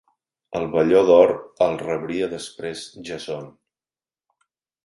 El Velló d'or el rebria després Jason.